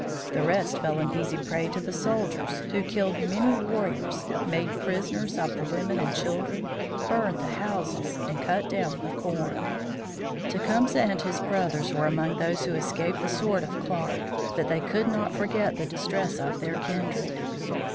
The rest fell an easy prey to the soldiers, who killed many warriors, made prisoners of the women and children, burned the houses, and cut down the corn. [Illustration: GEORGE ROGERS CLARK] Tecumseh and his brothers were among those who escaped the sword of Clark, but they could not forget the distress of their kindred.